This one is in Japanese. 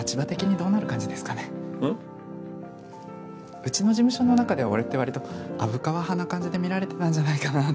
うちの事務所の中では俺って割と虻川派な感じで見られてたんじゃないかなって。